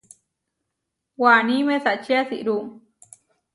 Waní mesačí asirú.